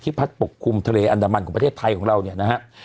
พัดปกคลุมทะเลอันดามันของประเทศไทยของเราเนี่ยนะฮะ